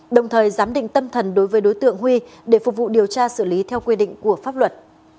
đồng thời giám định tâm thần đối với đối tượng huy để phục vụ điều tra xử lý theo quy định của pháp luật